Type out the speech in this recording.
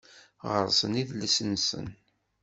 Ɣer-sen idles-nsen